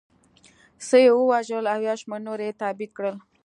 څه یې ووژل او یو شمېر نور یې تبعید کړل